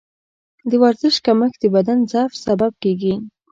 د ورزش کمښت د بدن ضعف سبب کېږي.